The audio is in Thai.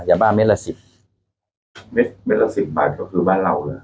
ยาบ้าเม็ดละสิบเมตรเต็ดละสิบบาทก็คือบ้านเราเลย